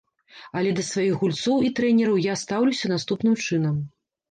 Але да сваіх гульцоў і трэнераў я стаўлюся наступным чынам.